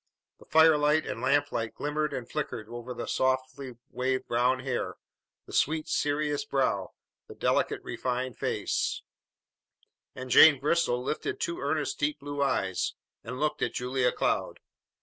The firelight and lamplight glimmered and flickered over the softly waved brown hair, the sweet, serious brow, the delicate, refined face; and Jane Bristol lifted two earnest deep blue eyes, and looked at Julia Cloud.